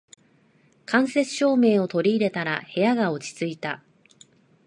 間接照明を取り入れたら部屋が落ち着いた